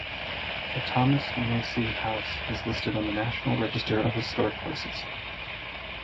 The Thomas Massey House is listed on the National Register of Historic Places.